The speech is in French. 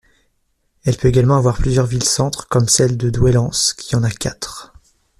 Elle peut également avoir plusieurs villes-centres, comme celle de Douai-Lens, qui en a quatre.